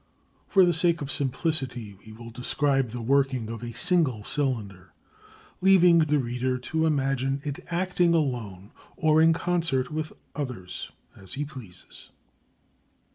For the sake of simplicity we will describe the working of a single cylinder, leaving the reader to imagine it acting alone or in concert with others as he pleases.